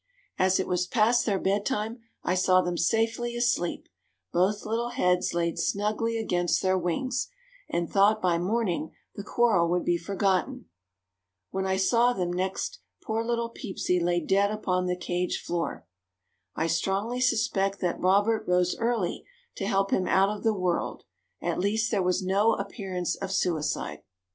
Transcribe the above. As it was past their bedtime I saw them safely asleep, both little heads laid snugly against their wings, and thought by morning the quarrel would be forgotten. When I saw them next poor little Peepsy lay dead upon the cage floor. I strongly suspect that Robert rose early to help him out of the world; at least there was no appearance of suicide!